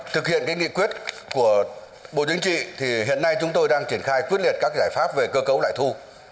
thực hiện nghị quyết của bộ chính trị thì hiện nay chúng tôi đang triển khai quyết liệt các giải pháp về cơ cấu lại thu